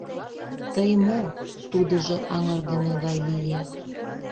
— Тый мо? — тудыжо аҥыргыме гай лие.